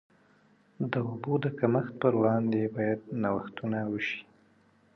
د اوبو د کمښت پر وړاندې باید نوښتونه وشي.